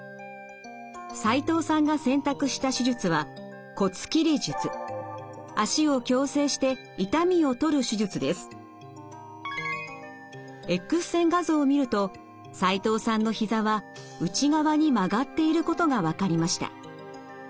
齋藤さんが選択した手術はＸ線画像を見ると齋藤さんのひざは内側に曲がっていることが分かりました。